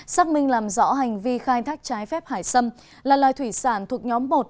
xác minh làm rõ hành vi khai thác trái phép hải sâm là loài thủy sản thuộc nhóm một